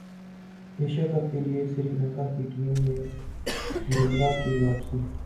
Asia cup کیلئے سری لنکا کی team میں ملنگا کی واپسی